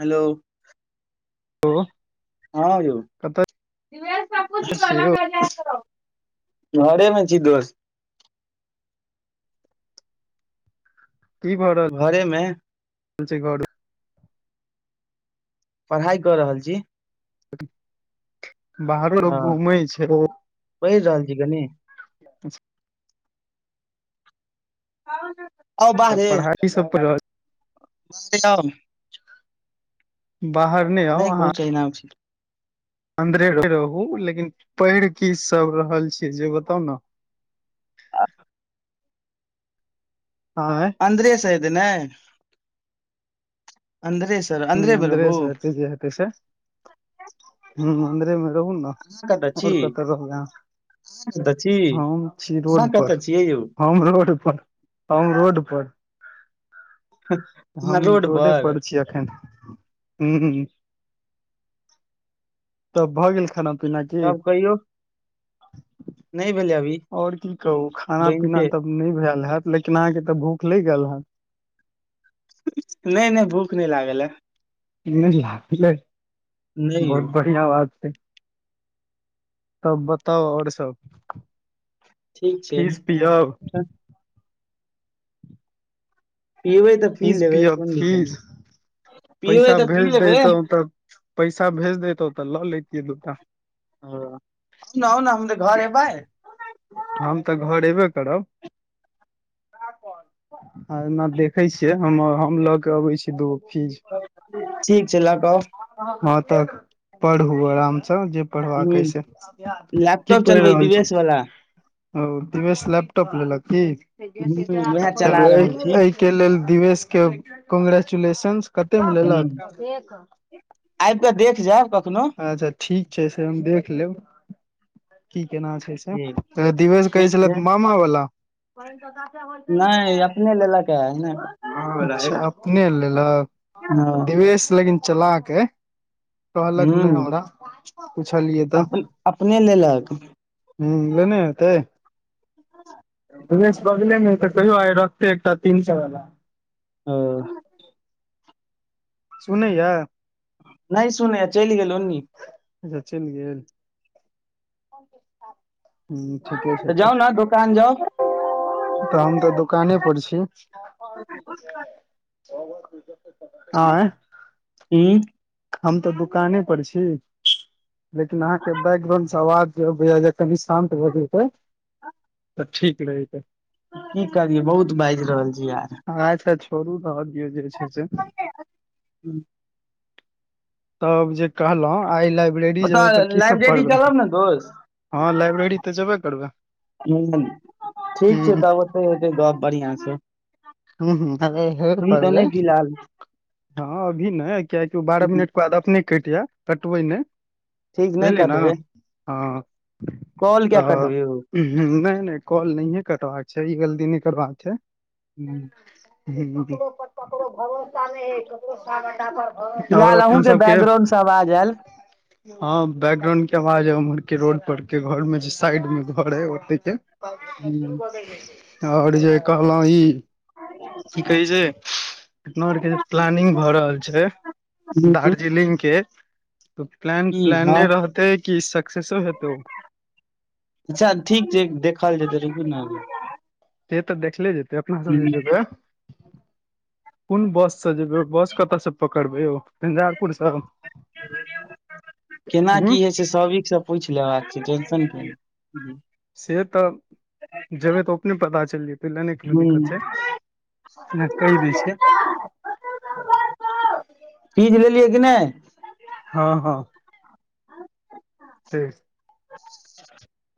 Hello ओ हा यो कतऽ दिवैश पपु छू छियै यौ ललक जयकल घरेमे छी दोस्त की भर [inaudible] घरेमे [inaudible] पढ़ाइ कऽ रहल छी बाहरो हँ लोक घूम छै पढ़ि रहल छी कनी और तऽ बाहरे पढ़ाई सब पढ़ि रहल [unintelligible] बाहरे आउ बाहर आउ नहि अहाँ कुछ [inaudible] अन्दरे रहू लेकिन पेढ़ की सब रहल छी जे बताउ नऽ [inaudible] आँह अन्दे सइद ने अन्दरे से हं मे अन्दरे रहू सऽ हेतै जे हेतै से हं अन्दरे मे रहु न अहाँ कतऽ छी आओर कतो रहबै कतऽ छी अहाँ हम छी रोड अहाँ पर कतऽ छियै यौ होम रोड पर होम रोड पर अहाँ हम रोड रोडे पर छी अखन ह तब भऽ गेल खाना पीना की तब कहियौ नहि भेल अभी और की कहू खाना पीना बनिते तब नहि भेल हैत लेकिन अहाँके तो भूख लागि गेल हत नहि नहि भूख नहि लागल ह [inaudible] नहि यौ [unintelligible] [inaudible] [inaudible] तब बताउ और सब ठीक छै फीस पियब पिबै तो पी फीस लेबै पियब कोन फीस [inaudible] पिबै पैसा तऽ पी भेज लेबै दैतहुँ तऽ पैसा भेज देतौ तै लो लेैतियै दूटा ओ आउ न आउ ने हमरा घर ऐबैय हम तऽ घर अबे करब ना देखै छियै हम हम लऽ के अबै छी दूगो फीज ठीक छै लऽ कऽ आउ हँ तऽ पढ़ू आरामसँ जे जे पढ़बके ह ये से की लैपटॉप पढ़ि चलबै रहल छै दिवेश वाला ओ दिवेश लैपटॉप लेलक की ह उएह चला रहल छी के लेल दिवेशके कंग्रैचुलेशन्स कतेक मे ह लेलक आबि कऽ देख जायब कखनो अच्छा ठीक छै से हम देख लेब की केना ठीक छै दिवश कहै ठीक छल छै मामा वाला नहि [inaudible] अच्छा अपने हँ लेलक दिवेश लेकिन चलाक है कहलक ह नहि हमरा पुछलियै तँ अपन अपने लेलक हूँ लने होतै ह द बगलेमे तऽ कहियौ आइ रखतै एकटा तीन सए वला ह सुनैया नहि सुनैया चलि गेल उन अच्छा चलि गेल [unintelligible] हूँ ठीके छै तऽ जाउ ने दोकान जाउ तऽ हम तऽ दुकाने पर छी हँ ह हम तऽ दुकाने पर छी लेकिन अहाँ के बैकग्राउंड अवाज कनि शान्त भऽ जेतै तऽ ठीक रहत की करियै बहुत बाजि रहल छी आय अच्छा छोड़ू रहऽ दियौ जे छै से ह तब जे कहलहु आइ ला लाइब्रेरी जेबै ओतऽ तऽ की सब लाइब्रेरी पढ़बै चलब ने दोस्त हँ लाइब्रेरी तऽ जेबे करबै ह ठीक छै ह तब ओतहि हेतै गप बढ़िआँ सँ ह अरे हे प हँ फिलहाल [unintelligible] अभी नहि ओ बारह मिनट के बाद अपने कटि जाय कटबै नहि ठीक नहि भेले ने कटबै हँ कॉल कियै काटबै यो तऽ नहि नहि कॉल नहिये कटबाक छै ई गलती नहि करबाक छै हू ककरो पर ककरो भरोसा नैई हं [unintelligible] और फिलहाल अपन अहूँके सबके बैकग्राउंड से आवाज आयल हँ बैकग्राउंड के आवाज ह उम्हर के रोड पर के घर मे जे साइड मे घर हय ओते के ह आओर जे कहलो ई की कहै छै अपना और के जे प्लानिंग भऽ रहल छै दार्जिलिंग के त प्लान की हँ प्लाने रहते कि सक्सेसो हेतै ओ अच्छा ठीक छै देखल जेतै र ने से तऽ देखले जेतै अपना सब जे हूँ, जबै कोन बस से जेबै बस कतय से पकड़बै यौ झंझारपुरसँ केना की होइ छै सबिकसँ पूछि लेबाक छै टेंशन के से तऽ जेबै तऽ ओ अपने पता चल जेतै सेहो ले लऽ नहि कोनो दिक्कत छै कहि दैत छै चीज लेलियै कि नहि हँ हँ ठीक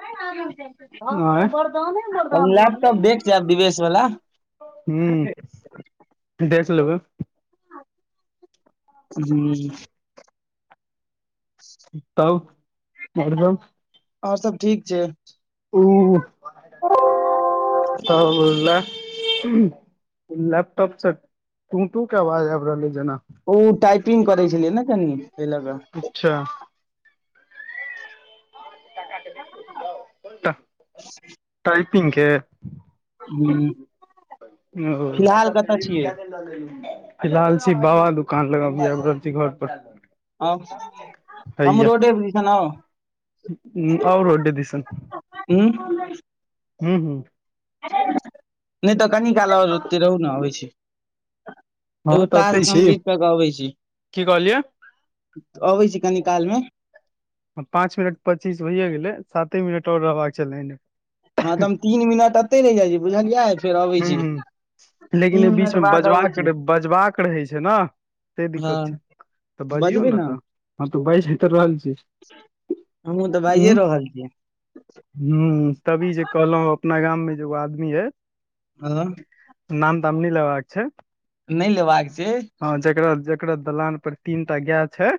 हँ आर देे आँय मरदाने [unintelligible] हम मरदान लैपटॉप देख जाब दिवेश वला हह से देख लेबै जी ह तब और सब और सब ठीक छै ओ [unintelligible] लैपटॉप से टू टू के आवाज आबि रहलै जेना ओ टाइपिंग करै छलियै ने कनि एहिल कऽ अच्छा। टपिंगके? हूँ, ओ। फिलहाल कतऽ छियै फिलहाल अछि बाबा दुकान आईब रहल छी घर पर। हमहूँ रोडे दिसन आ ह, आउ रोडे दिसन ह। हू, हू। नहि तऽ कनि काल ओतेकऽ रहू ने अबै छै। एगो हँ तऽ टास्क एतै छी कम्प्लीट कऽ के अबै छी, की कहलियै अबै छी कनि कालमे पाँच मिनट पच्चीस भइयए गेलै साते मिनट आओर रहबाक चाही। हँ, तऽ हम तीन मिनट एते रहि जाइ छी, बुझलियै? फेर अबै हूं छी। हूं लेकिन ई तीन बीच मिनट मे बाद अबै बजबाक छिय। रह- बजबाक रहै छै, ने से हँ दिक्कत छै, तऽ बजियौ ने तऽ। हँ, तऽ बइज रहली हमहूँ तऽ भाजए रहल छीयै। हू, तभी जे कहलहु अपना गाममे जे एगो आदमी है। आ। नाम ताम नै लेबाक छै। नहि लेबाक छै। हँ, जेकरा जेकरा दलान पर तीनटा गाय छै।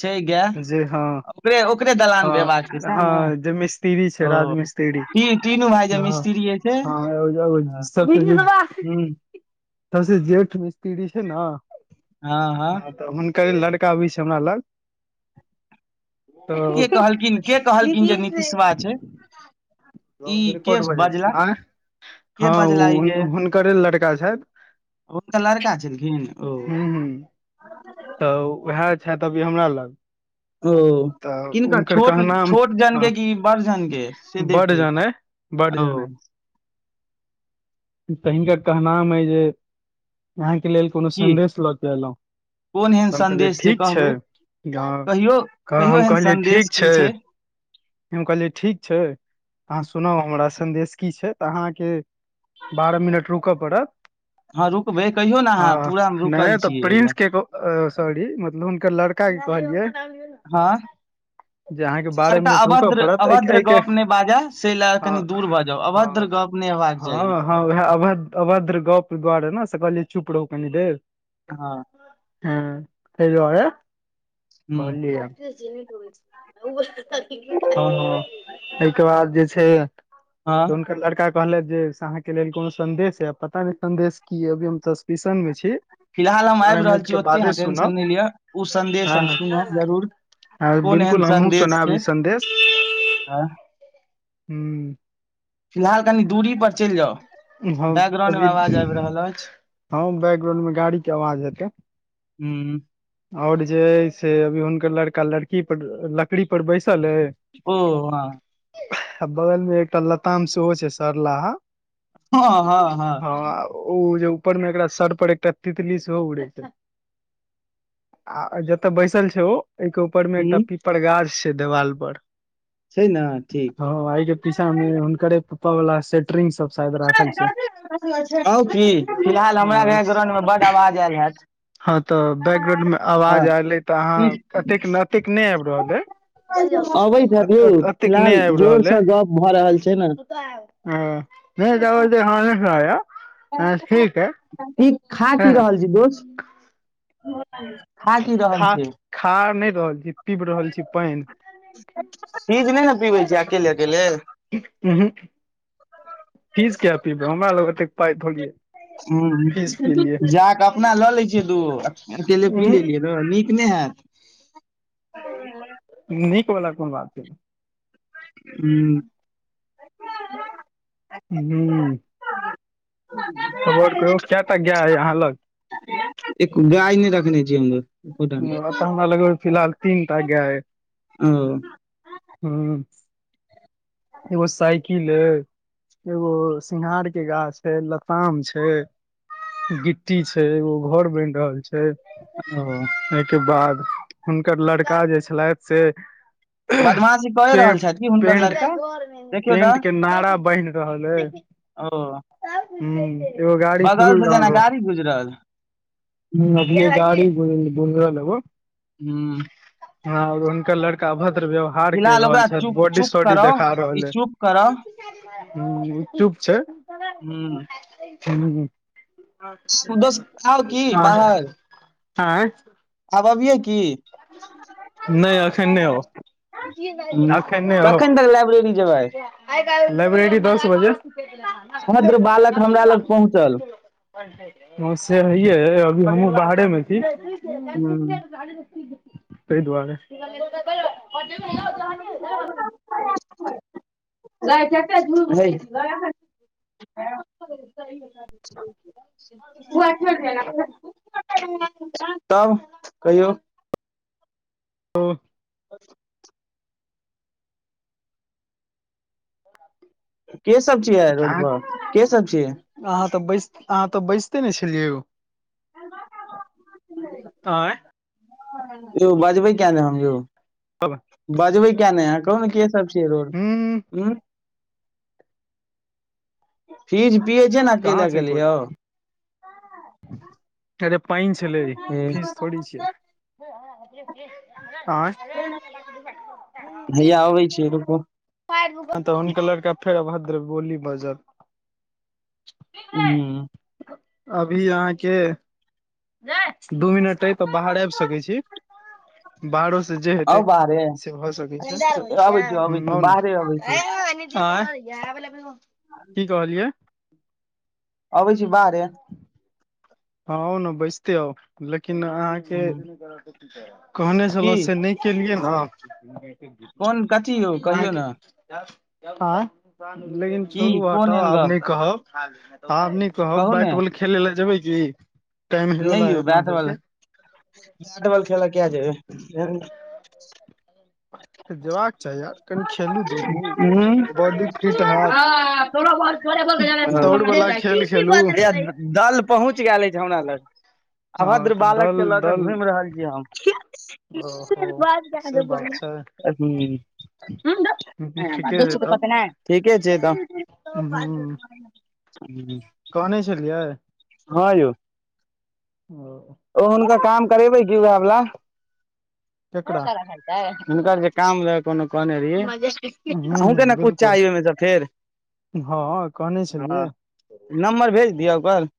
छै गाय जे हँ, ओकरे ओकरे ह, दलान पे एबाक छै सएह ने हँ, जे मिस्त्र छै, ओ राज मिस्त। [unintelligible] ती तीनू भाय जे ह, मिस्त्रीये छै हँ ह [unintelligible] सभसे जेठ मिस्त्री छै ने हँ हँ तऽ हुनकर लड़का आबे छै, हमरा लग के कहलखिन के त कहलखिन जे नीतीशवा छै [unintelligible] ई के हो जाइ बजला छै, आ के हँ बजला ई ओ हुनकरे लड़का छथि। ओ तऽ लड़का छैलखिन। हू, हू तऽ उएह छै, अभी हमरा लग ओ तऽ किनका हुनकर छोट कहनाम छोट हाँ जानके कि बड़ जानकेसे देखबै बढ़ ओ जान। त हनका कहनाम हैं जे अहाँकेँ लेल। कोनो की संदेश लऽ ककऽ एलहु कोन एहन हम कहलियै संदेश जे ठीक छै कहबै तऽ ह, कहियो कह कहियो हम एहन कहलियै संदेश ठीक की छै। हम कहलियै ठीक छै, अहाँ सुनाउ हमरा सन्देश की छै, तऽ अहाँकेँ बारह मिनट रूका पड़त। हँ रुकबै कहियो ने अहाँ हँ, पूरा मे रुकल नहि तऽ छियै एहि लए प्रिंसके सोर्री मतलब हुनकर लड़का। कएल की कहलियै हँ। जे अहाँके बारह लड़का मिनट रुकऽ अभद्र पड़त अभद्र एहिके गप नहि बाजै से लऽ हँ कनि दूर भऽ जाउ अभद्र हँ गप। नहि हेबाक चाही। हँ हँ, उएह अभ्र अभद्र गप दआरेने से कहलियै चुप रहू कनि देर हँ। हँ, ताहि दुआरे हूँ कहलिय आब। [unintelligible] हँ, एहिके बाद जे छै हँ हुनकर लड़का कहलथि जे अहाँकेँ लेल कोनो संदेश है, पता नहि संदेश की अभी हम सस्पशनमे छी। फिलहाल हम बारह आबि रहल मिनट के छी ओते बादे अहाँकेँ टेंशन सुनब नहि लिअ ओ संदेश हँ हम सुनब जरूर। हँ, कोन एहन बिल्कूल हमँ संदेश सुनबि अभी छै संदेश। हँ। हू फिलहाल कनि दूरी पर चलि जाउ हम बैकग्राउंड अभी मे आवाज आबि रहल अछि हँ बैकग्राउंन मे गाड़ी के आवाज हेतै हूँ और जेय से अभी हुनकर लड़का लड़की पर लकड़ी पर बैसल ऐ ओ हां आ बगल मे एकटा लताम सेहो छै सरलाहा हँ हँ हँ ओ जे ऊपर में एकरा सर पर एकटा तितली सेहो उड़ैतै आ जतय बैसल छै ओ एहिके ऊपर मे एकटा हूँ पीपर गाछ छै देवाल पर छै नठीक ह आइ के पीछा मे हुनकरे पप्पा वाला सेटरिंग सब शायद राखल छै आव की फिलहाल हमरा ग्रउंडमे बड्ड आवाज आयल हत हँ तऽ बैकग्राउंन में आवाज एयले तऽ की अहाँ एतेक अतेक नहि आबि रहल अई अबैत हैत यौ एतेक नहि फिलहाल आबि जोर रहल अइ से गप भऽ रहल छै ने ह नहि त ओ हान सुरा [unintelligible] ई खा कि रहल छी दोस खा खा नहि रहल छी पीब रहल छी पानि चीज नहि ने पीबै छी अकेले अकेले उहूक फीज किया पीबै हमरा लग त पाइ थोड़ीे ह जाकऽ अपना लऽ लै छियै दूगो अकेले पी उहूं लेलियै नीक नहि हैत नीक बला कोन बात है हू ह तब और को क्य तक गएह हय आहाँ लग एक गाय नहि रखने छ हमर तऽ हमरा लगमे फिलहाल तीन टा गाय अइ ओ ह एगो साइकिल अइ एगो सिंघार के गाछ है लताम छै गिट्टी छै एगो घर बनि रहल छै ओ एहिके बाद हुनकर लड़का जे छलथि से बदमाशी प पें पेंट देखियौ पेंट तऽ के नारा बान्हि रहल अई ओ ह एगो गाड़ी सुुरू बगल सुन से जेना रहलुँ गाड़ी गुजरल ह गीु लेब [unintelligible] [unintelligible] हू हँओर हुनकर लड़का अभद्र व्यव हार कर फिलहाल रहल ओकरा छथि चुप बॉडी चुप सॉडी करौ देखा ई रहल चुप करौ अइ ह चुप छै हू ह आब दोस आउ की बाहर हँ [unintelligible] [unintelligible] आब अबियै की हूँ, अखैन नओ कखन तक लाइब्रेरी जेबै लाइब्रेरी दस बजे भ्रदर बालक हमरा लग पहुँचल ह से हैया अई हमूँ बाहरेमे छी तहि दुआरे [unintelligible] गाए कटे झुत [inaudible] [unintelligible] तब कहियौ। हेलो। [unintelligible] के सभ छियै रोड अहाँ पर के सभ छियै अहाँ तऽ बैस अहाँ तऽ बैजते ने छलियै यौ। [unintelligible] अ यौ बजबै किया नहि हम यौ बजबै किया नहि कहू ने कि। के सभ छिये रोड हूँ पर फीज पियए छै, ने कहाँ अकेले छै अकेले कोइ यौ? अरे पानि छलै फीस। थोड़ी छियै आय हैया अबै छियै रुकु। तऽ हुनका लड़का फेर, अभद्र बोली बजत। ह। अभी अहाँकेँ। दू मिनट अइ तऽ बाहर आबि सकै छी। बाहरो से जे आउ बाहरे हेतैसे भए सकै अबै छी अबै छी छै। बाहरे अबै छी आए की कहलियै? अबै छी बाहरे। आउ ने बैसते आउ लेकिन अहाँ। के कहने की छलहुँ से नहि केलियै ने। कोन कथी यौ कहियौ ने। तऽ आ लेकिन की छोड़ू कोन हटाउ एहन आब गप नहि कहब आब नहि कहब। कहू ने खेले लए जेबै की टाइम नहि हेवला है यौ अपना बैट बॉल सभके बॉल खेल किया जेबै जेबाक चाही, आर कनि खेलू धूपू बॉडी फिट हैया हेत। दौड़ वला खेल खेलू। दल पहुँच गेल छी हमरा लग। हँ अभद्र तऽ बालके दल लऽ के दल घुमि रहल छी हम। ओहो ब से बात छै ठीके छै तब [unintelligible] ठीके छै, त। कहालिए छलियै। हँ, यौ। आ ओ हुनकर काम करेबे कि उएह वला केकरा हुनकर जे काम रहै कोनो कहने रहै। ह हमहूँ ह ने किछु बिलकुल चाही ओहिमे सँ फेर हँ कहने छलियै ह। नम्बर भेज दिअऽ ओकर।